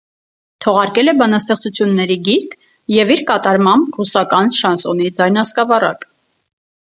Թողարկել է բանաստեղծությունների գիրք և իր կատարմամբ ռուսական շանսոնի ձայնասկավառակ։